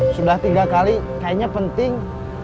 sudah tiga kali kayaknya penting